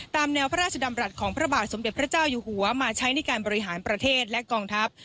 ตามแนวพระราชดำรัฐของพระบาทสมเด็จพระเจ้าอยู่หัวมาใช้ในการบริหารประเทศและกองทัพ